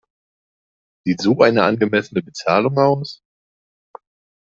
Sieht so eine angemessene Bezahlung aus?